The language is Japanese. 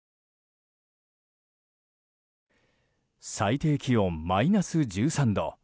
最低気温マイナス１３度。